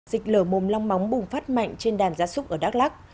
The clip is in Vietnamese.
dịch lở mồm long móng bùng phát mạnh trên đàn gia súc ở đắk lắc